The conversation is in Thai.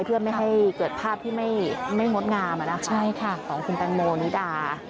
เพื่อไม่ให้เกิดภาพที่ไม่งดงามของคุณแตงโมนิดา